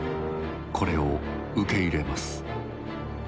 これを受け入れます。